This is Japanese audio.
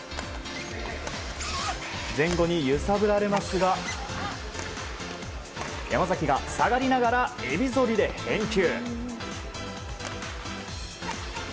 前後に揺さぶられますが山崎が下がりながらえびぞりで返球。